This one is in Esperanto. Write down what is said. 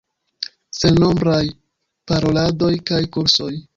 Sennombraj paroladoj kaj kursoj.